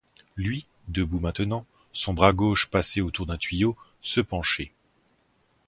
Lui, debout maintenant, son bras gauche passé autour d'un tuyau, se penchait.